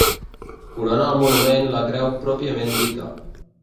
Corona el monument la creu pròpiament dita.